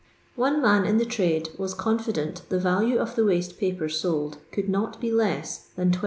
One man in the trade was confident the value of the waste paper sold could not be less than 12,000